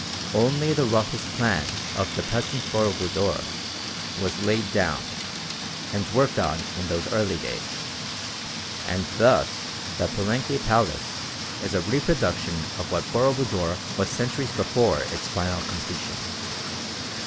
Only the roughest plan of the present Boro Budor was laid down and worked on in those early days, and thus the Palenque Palace is a reproduction of what Boro Budor was centuries before its final completion.